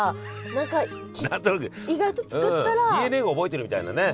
何となくＤＮＡが覚えているみたいなね。